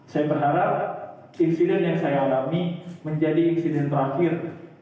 saya berharap insiden yang saya alami menjadi insiden terakhir